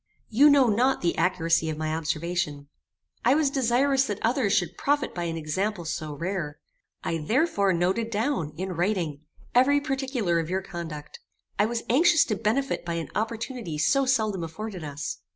"You know not the accuracy of my observation. I was desirous that others should profit by an example so rare. I therefore noted down, in writing, every particular of your conduct. I was anxious to benefit by an opportunity so seldom afforded us.